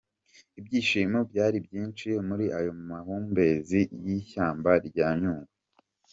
Ibyishimo byari byinshi muri ayo mahumbezi y’ishyamaba rya nyungwe.